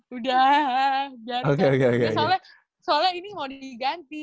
soalnya ini mau diganti